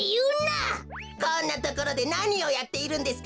こんなところでなにをやっているんですか？